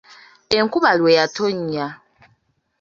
Enkuba lwe yatonnya.